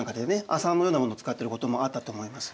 麻のようなものを使ってることもあったと思います。